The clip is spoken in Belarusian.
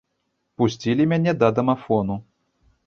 Пусцілі мяне да дамафону.